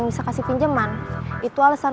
posisi kamu nanti di depan saya sama deden